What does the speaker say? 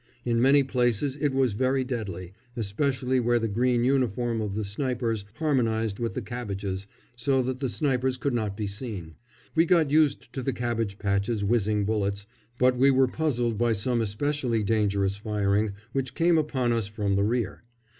In many places it was very deadly, especially where the green uniform of the snipers harmonised with the cabbages, so that the snipers could not be seen. We got used to the cabbage patches whizzing bullets, but we were puzzled by some especially dangerous firing which came upon us from the rear.